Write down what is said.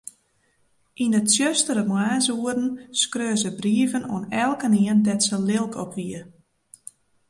Yn 'e tsjustere moarnsoeren skreau se brieven oan elkenien dêr't se lilk op wie.